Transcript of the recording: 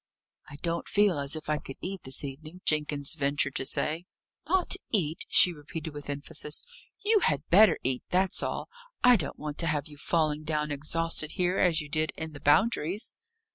"I don't feel as if I could eat this evening," Jenkins ventured to say. "Not eat!" she repeated with emphasis. "You had better eat that's all. I don't want to have you falling down exhausted here, as you did in the Boundaries."